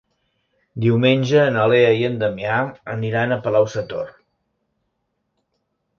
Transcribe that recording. Diumenge na Lea i en Damià aniran a Palau-sator.